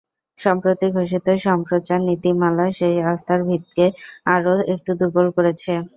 সম্প্রতি ঘোষিত সম্প্রচার নীতিমালা সেই আস্থার ভিতকে আরও একটু দুর্বল করেছে।